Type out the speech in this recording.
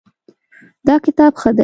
دا کتاب ښه دی